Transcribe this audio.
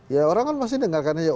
ya orang kan pasti dengarkan aja